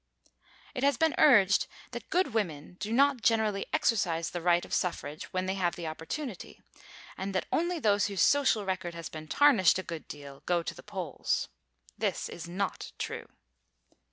It has been urged that good women do not generally exercise the right of suffrage, when they have the opportunity, and that only those whose social record has been tarnished a good deal go to the polls. This is not true.